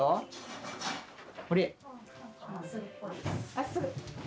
まっすぐ！